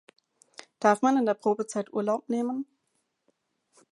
Darf man in der Probezeit Urlaub nehmen?